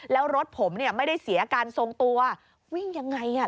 แล้วรถผมไม่ได้เสียการทรงตัววิ่งยังไงล้อหลุด